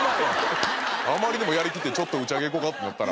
あまりにもやりきってちょっと打ち上げ行こうかってなったら。